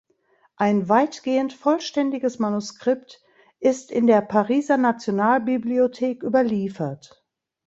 Ein weitgehend vollständiges Manuskript ist in der Pariser Nationalbibliothek überliefert.